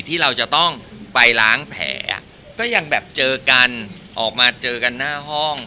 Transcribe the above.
ที่เราจะต้องไปล้างแผลก็ยังแบบเจอกันออกมาเจอกันหน้าห้อง